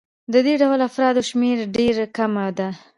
د دې ډول افرادو شمېره ډېره کمه ده